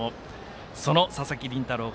その佐々木麟太郎が